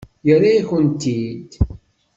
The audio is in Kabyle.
Yerra-yakent-t-id.